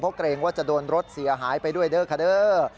เพราะเกรงว่าจะโดนรถเสียหายไปด้วยเด้อค่ะเด้อ